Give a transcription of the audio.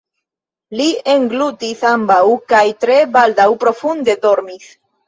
Li englutis ambaŭ kaj tre baldaŭ profunde dormis.